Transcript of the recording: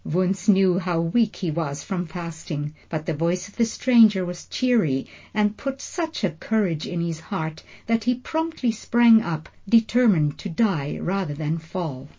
Wunzh knew how weak he was from fasting, but the voice of the stranger was cheery and put such a courage in his heart, that he promptly sprang up, determined to die rather than fail.